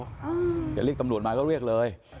เดี๋ยวเรียกตำรวจมาก็เรียกเลย